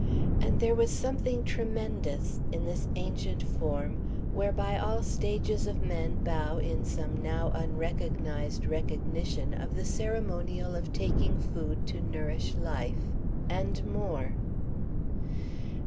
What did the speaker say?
And there was something tremendous, in this ancient form whereby all stages of men bow in some now unrecognized recognition of the ceremonial of taking food to nourish life and more.